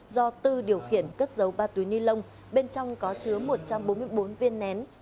do tư điều khiển cất dấu ba túi ni lông bên trong có chứa một trăm bốn mươi bốn viên nén